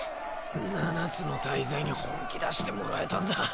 七つの大罪に本気出してもらえたんだ。